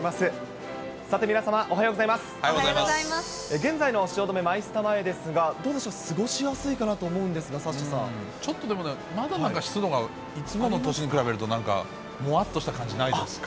現在の汐留・マイスタ前ですが、どうでしょう、過ごしやすいかなちょっとでもね、まだまだ湿度がいつもの年に比べるとなんかもわっとした感じ、ないですか？